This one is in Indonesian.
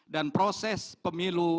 dan proses pemilu